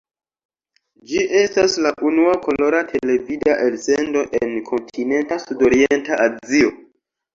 Ĝi estas la unua kolora televida elsendo en Kontinenta Sudorienta Azio.